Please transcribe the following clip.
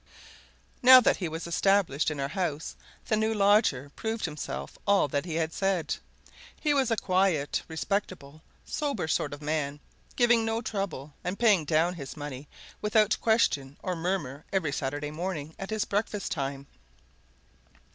Now that he was established in our house, the new lodger proved himself all that he had said. He was a quiet, respectable, sober sort of man, giving no trouble and paying down his money without question or murmur every Saturday morning at his breakfast time.